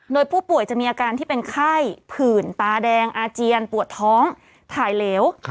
โดยผู้ป่วยจะมีอาการที่เป็นไข้ผื่นตาแดงอาเจียนปวดท้องถ่ายเหลว